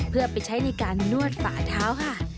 เพื่อไปใช้ในการนวดฝ่าเท้าค่ะ